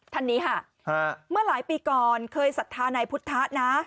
ท่านนี้ค่ะเมื่อหลายปีก่อนเคยศรัทธานายพุทธะนะ